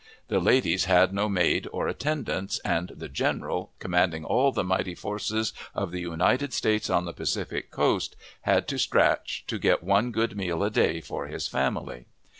The ladies had no maid or attendants; and the general, commanding all the mighty forces of the United States on the Pacific coast, had to scratch to get one good meal a day for his family!